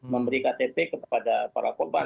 memberi ktp kepada para korban